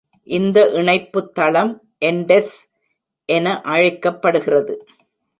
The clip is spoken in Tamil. இந்த இணைப்பு தளம் என்டெஸ் என அழைக்கப்படுகிறது.